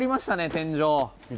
天井。